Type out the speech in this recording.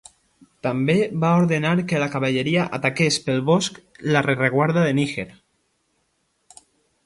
També va ordenar que la cavalleria ataqués pel bosc la rereguarda de Níger.